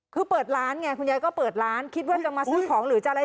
คือเปิดร้านไงคุณยายก็เปิดร้านคิดว่าจะมาซื้อของหรือจะอะไร